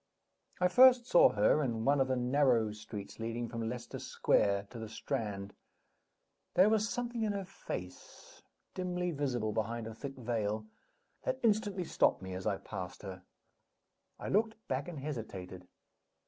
I first saw her in one of the narrow streets leading from Leicester Square to the Strand. There was something in her face (dimly visible behind a thick veil) that instantly stopped me as I passed her. I looked back and hesitated.